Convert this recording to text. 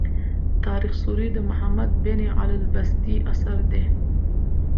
تاریخ سوري د محمد بن علي البستي اثر دﺉ.